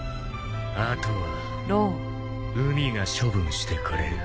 あとは海が処分してくれる。